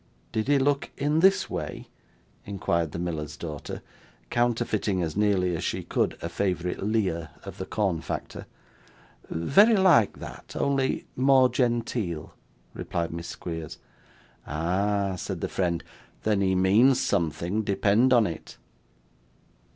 'Did he look in this way?' inquired the miller's daughter, counterfeiting, as nearly as she could, a favourite leer of the corn factor. 'Very like that only more genteel,' replied Miss Squeers. 'Ah!' said the friend, 'then he means something, depend on it.